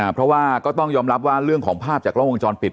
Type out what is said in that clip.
เพราะว่าก็ต้องยอมรับว่าเรื่องของภาพจากกล้องวงจรปิด